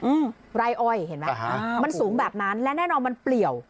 อืมไร่อ้อยเห็นไหมฮะอ่ามันสูงแบบนั้นและแน่นอนมันเปลี่ยว